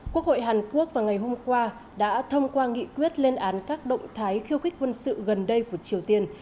quốc hội hàn quốc vào ngày hôm qua đã thông qua nghị quyết lên án các động thái khiêu khích quân sự gần đây của triều tiên